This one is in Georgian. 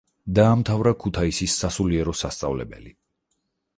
დაამთავრა ქუთაისის სასულიერო სასწავლებელი.